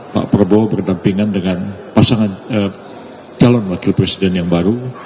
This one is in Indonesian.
pak prabowo berdampingan dengan pasangan calon wakil presiden yang baru